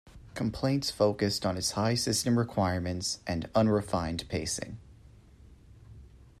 Complaints focused on its high system requirements and unrefined pacing.